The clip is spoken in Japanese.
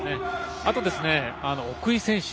あと、奥井選手。